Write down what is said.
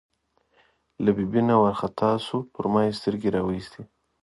له ببۍ نه وار خطا شو، پر ما یې سترګې را وایستې.